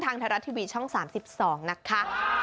ทางไทยรัฐทีวีช่อง๓๒นะคะ